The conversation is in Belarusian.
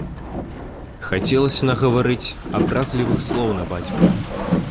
Хацелася нагаварыць абразлівых слоў на бацьку.